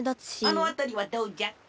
あのあたりはどうじゃ？